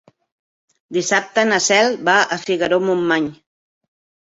Dissabte na Cel va a Figaró-Montmany.